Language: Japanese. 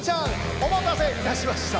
おまたせいたしました。